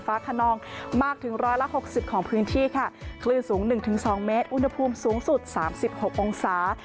สูง๑๒เมตรอุณหภูมิสูงสุด๓๖องศา